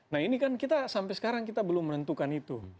nah ini kan kita sampai sekarang kita belum menentukan itu